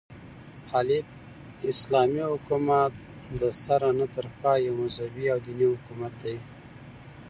الف : اسلامي حكومت دسره نه تر پايه يو مذهبي او ديني حكومت دى